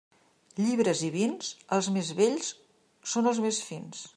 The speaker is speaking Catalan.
Llibres i vins, els més vells són els més fins.